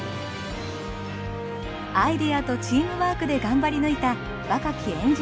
アイデアとチームワークで頑張り抜いた若きエンジニアたち。